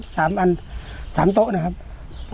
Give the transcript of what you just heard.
สามอันสามโต๊ะนะครับ